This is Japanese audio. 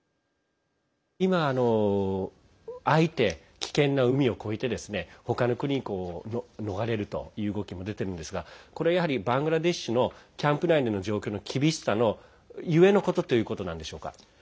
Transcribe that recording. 今、あえて危険な海を越えて他の国に逃れるという動きも出てるんですがこれ、やはりバングラデシュのキャンプ内での状況の厳しさのゆえのことということなんでしょうか。